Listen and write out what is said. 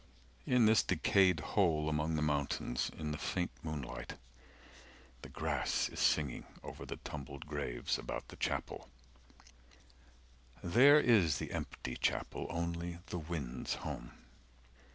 In this decayed hole among the mountains 385 In the faint moonlight, the grass is singing Over the tumbled graves, about the chapel There is the empty chapel, only the wind's home.